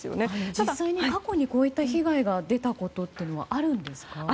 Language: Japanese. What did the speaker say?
実際に過去にこういった被害が出たことはあるんですか？